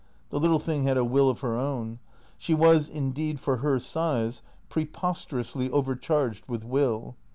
The little thing had a will of her own; she was indeed, for her size, preposterously over charged with will.